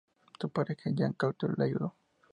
Su pareja Jean Cocteau le ayudó.